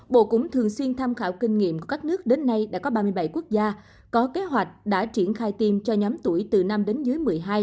bộ cũng thường xuyên tham khảo kinh nghiệm của các nước đến nay đã có ba mươi bảy quốc gia có kế hoạch đã triển khai tiêm cho nhóm tuổi từ năm đến dưới một mươi hai